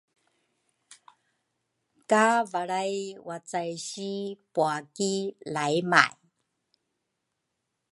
ka valray wacaishi pua ki laymay.